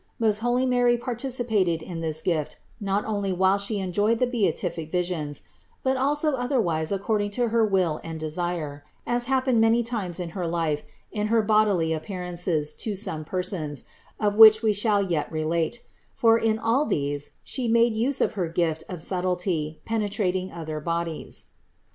Most holy Mary participated in this gift not only while She enjoyed the beatific visions, but also otherwise according to her will and desire, as happened many times in her life in her bodily appear ances to some persons, of which we shall yet relate; 140 CITY OF GOD for in all these She made use of her gift of subtlety penetrating other bodies.